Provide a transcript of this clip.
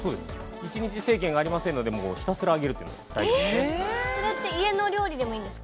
◆１日制限がありませんので、ひたすら上げるというのが大事です。